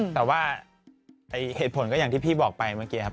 แต่ว่าเหตุผลก็อย่างที่พี่บอกไปเมื่อกี้ครับ